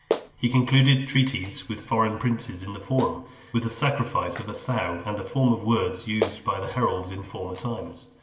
He concluded treaties with foreign princes in the forum, with the sacrifice of a sow, and the form of words used by the heralds in former times.